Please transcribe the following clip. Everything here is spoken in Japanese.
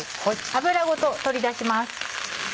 脂ごと取り出します。